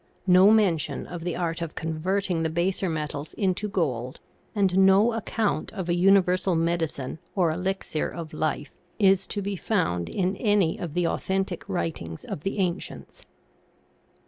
No mention of the art of con verting the baser metals into gold, and no account of a universal medicine or elixir of life is to be found in any of the authentic writings of the ancients.